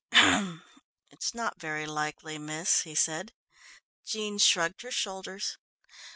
"It's not very likely, miss," he said. Jean shrugged her shoulders.